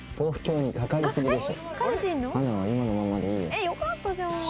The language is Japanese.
えっよかったじゃん！